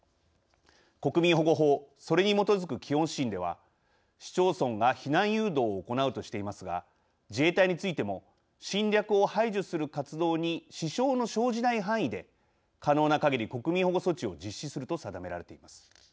国民保護法それに基づく基本指針では市町村が避難誘導を行うとしていますが自衛隊についても侵略を排除する活動に支障の生じない範囲で可能なかぎり国民保護措置を実施すると定められています。